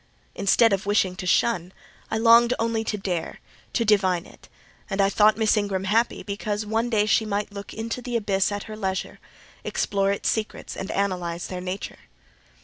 Instead of wishing to shun, I longed only to dare—to divine it; and I thought Miss Ingram happy, because one day she might look into the abyss at her leisure, explore its secrets and analyse their nature.